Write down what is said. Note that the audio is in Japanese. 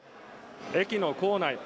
駅の構内